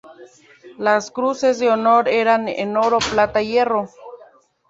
Las cruces de honor eran en oro, plata y hierro.